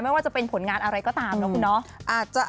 ไม่ว่าจะเป็นผลงานอะไรก็ตามนะคุณเนาะ